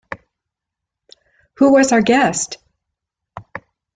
Who was our guest?